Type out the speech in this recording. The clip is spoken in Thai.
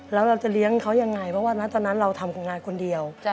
แล้วเราจะเลี้ยงเขายังไงเพราะว่าตอนนั้นเราทำงานคนเดียว